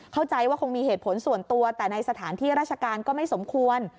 เข้าใจว่าคงมีเหตุผลส่วนตัวแต่ในสถานที่ราชการก็ไม่สมควร